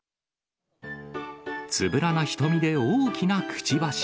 つぶらな瞳で大きなくちばし。